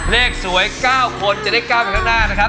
เลขสวย๙คนจะได้ก้าวไปข้างหน้านะครับ